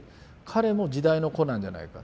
彼も時代の子なんじゃないか。